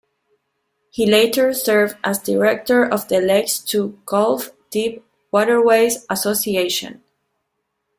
He later served as director of the Lakes to Gulf Deep Waterways Association.